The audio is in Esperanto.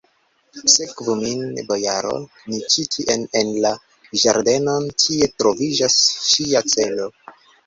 Sekvu min, bojaro, ĉi tien, en la ĝardenon: tie troviĝas ŝia ĉelo.